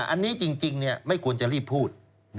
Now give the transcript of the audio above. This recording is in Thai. อันนี้จริงไม่ควรจะรีบพูด